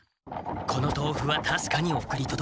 この豆腐はたしかに送りとどける。